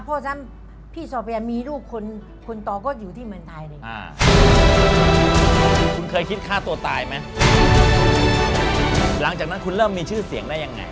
เพราะฉะนั้นพี่โซเฟียมีลูกคุณคุณตอก็อยู่ที่เมืองไทยเลย